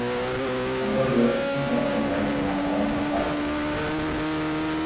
Ondorioz ezin da bere garaipena zalantzan jarri.